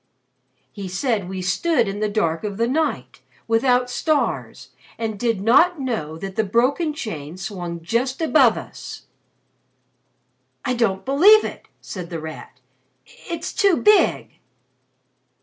He said we stood in the dark of the night without stars and did not know that the broken chain swung just above us." "I don't believe it!" said The Rat. "It's too big!"